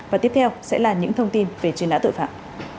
và tiếp theo sẽ là những thông tin về truy nã tội phạm